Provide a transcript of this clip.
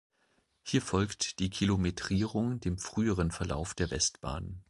Hier folgt die Kilometrierung dem früheren Verlauf der Westbahn.